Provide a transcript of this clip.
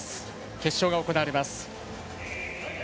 決勝が行われます。